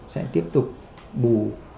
sẽ tiếp tục bù